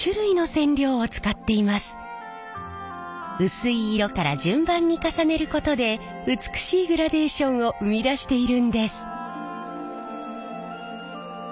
薄い色から順番に重ねることで美しいグラデーションを生み出しているんです。